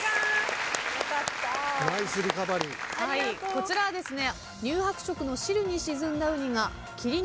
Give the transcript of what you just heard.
こちらはですね。